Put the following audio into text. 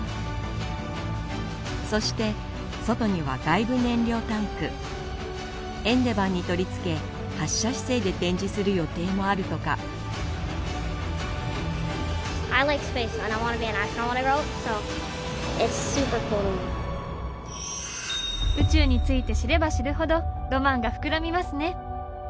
そして外にはエンデバーに取り付け発射姿勢で展示する予定もあるとか宇宙について知れば知るほどロマンが膨らみますね。